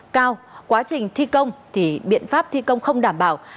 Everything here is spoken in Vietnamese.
cao quá trình thi công thì biện pháp thi công không đảm bảo